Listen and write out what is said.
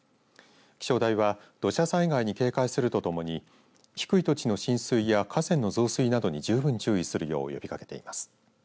気象台は土砂災害に警戒するとともに低い土地の浸水や河川の増水などに十分注意するよう呼びかけています。